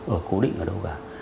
ở cố định ở đâu cả